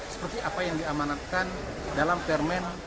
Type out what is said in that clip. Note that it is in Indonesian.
seperti apa yang diamanatkan dalam permen